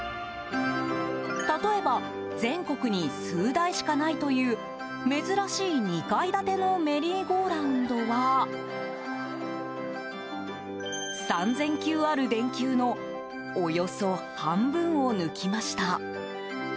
例えば全国に数台しかないという珍しい２階建てのメリーゴーラウンドは３０００球ある電球のおよそ半分を抜きました。